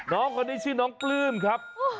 น้องคนนี้ชื่อน้องปลื้มครับ